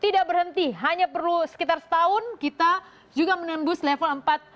tidak berhenti hanya perlu sekitar setahun kita juga menembus level empat